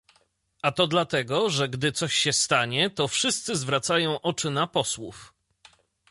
A to dlatego, że gdy coś się stanie, to wszyscy zwracają oczy na posłów